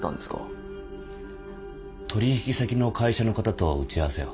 取引先の会社の方と打ち合わせを。